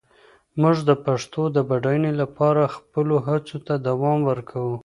موږ د پښتو د بډاینې لپاره خپلو هڅو ته دوام ورکوو.